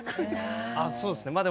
あそうっすね。